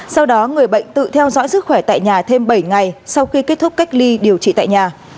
sau đó người bệnh tự theo dõi sức khỏe tại nhà thêm bảy ngày sau khi kết thúc cách ly điều trị tại nhà